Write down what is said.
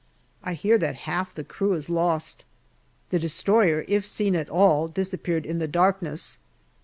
I hear that half the crew is lost. The destroyer, if seen at all, disappeared in the darkness.